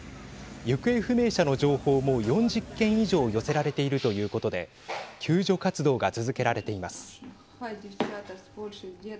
行方不明者の情報も４０件以上寄せられているということで救助活動が続けられています。